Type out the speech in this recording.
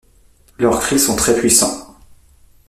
Leurs cris sont très puissants.